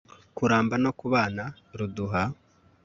kuramba no kubana, ruduha